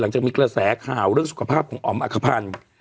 หลังจากมีเกลือแสข่าวเรื่องสุขภาพของอ๋อมอักภัณฑ์